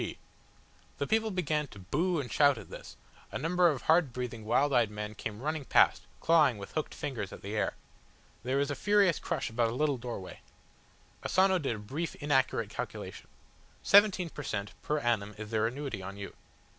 G." The people began to boo and shout at this, a number of hard breathing, wild eyed men came running past, clawing with hooked fingers at the air. There was a furious crush about a little doorway. Asano did a brief, inaccurate calculation. "Seventeen per cent, per annum is their annuity on you.